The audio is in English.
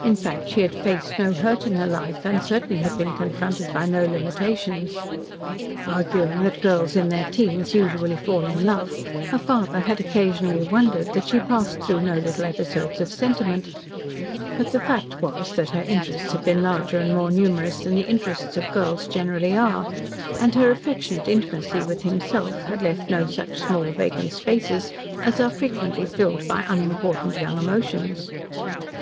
In fact, she had faced no hurt in her life, and certainly had been confronted by no limitations. Arguing that girls in their teens usually fall in love, her father had occasionally wondered that she passed through no little episodes of sentiment, but the fact was that her interests had been larger and more numerous than the interests of girls generally are, and her affectionate intimacy with himself had left no such small vacant spaces as are frequently filled by unimportant young emotions.